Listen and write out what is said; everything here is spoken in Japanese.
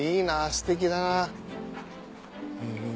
ステキだな。